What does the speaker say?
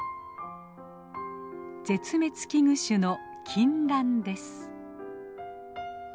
絶滅危惧種のキンランです。